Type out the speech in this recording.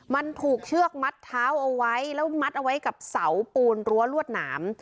มันถูกเชือกมัดเท้าเอาไว้แล้วมัดเอาไว้กับเสาปูนรั้วลวดหนาม